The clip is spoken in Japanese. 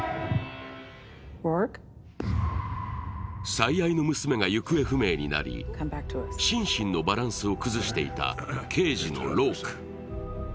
最愛の娘が行方不明になり、心身のバランスを崩していた刑事のローク。